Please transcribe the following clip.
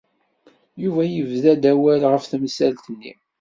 Yuba yebda-d awal ɣef temsalt-nni.